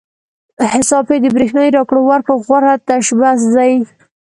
حساب پې د برېښنايي راکړو ورکړو غوره تشبث دی.